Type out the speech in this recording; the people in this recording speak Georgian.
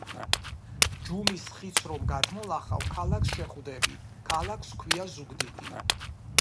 ჯუმის ხიდს რომ გადმოლახავ ქალაქს შეხვდები ქალაქს ქვია ზუგდიდი